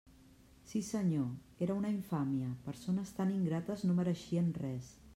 Sí senyor, era una infàmia; persones tan ingrates no mereixien res.